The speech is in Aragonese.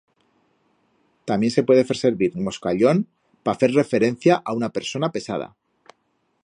Tamién se puede fer servir moscallón pa fer referencia a una persona pesada.